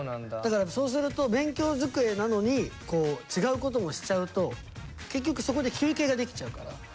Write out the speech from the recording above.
だからそうすると勉強机なのに違うこともしちゃうと結局そこで休憩ができちゃうから。